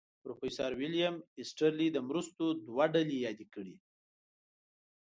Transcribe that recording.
پروفیسر ویلیم ایسټرلي د مرستو دوه ډلې یادې کړې.